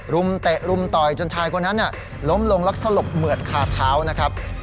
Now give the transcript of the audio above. มเตะรุมต่อยจนชายคนนั้นล้มลงแล้วสลบเหมือดคาเท้านะครับ